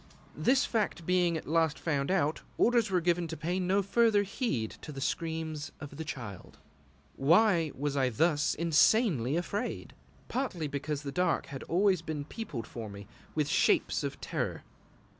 This fact being at last found out, orders were given to pay no further heed to the screams of the Child. Why was I thus insanely afraid? Partly because the dark had always been peopled for me with shapes of terror.